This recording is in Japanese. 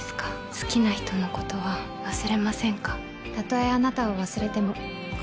好きな人のことは忘れませんか？